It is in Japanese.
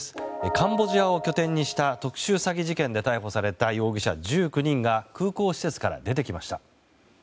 カンボジアを拠点にした特殊詐欺事件で逮捕された容疑者１９人が空港施設から出てきました。